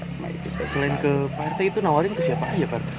selain keitu nawarin ke siapa aja pak airty